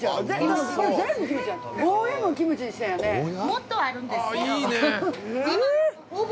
もっとあるんです。